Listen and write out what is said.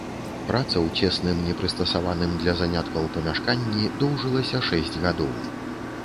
Праца ў цесным, непрыстасаваным для заняткаў памяшканні доўжылася шэсць гадоў.